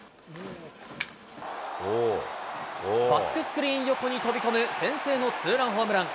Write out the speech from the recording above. バックスクリーン横に飛び込む先制のツーランホームラン。